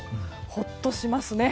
ほっとしますね。